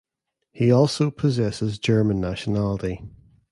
He also possesses German nationality.